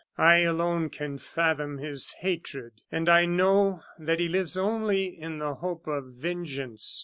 I alone can fathom his hatred, and I know that he lives only in the hope of vengeance.